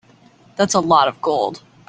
That's a lot of gold.